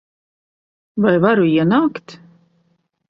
Vai varu ienākt?